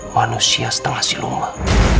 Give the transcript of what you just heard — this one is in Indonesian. manusia setengah siluman